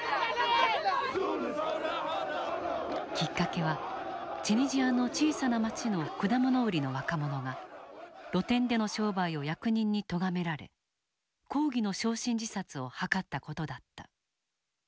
きっかけはチュニジアの小さな町の果物売りの若者が露天での商売を役人にとがめられ抗議の焼身自殺を図ったことだった。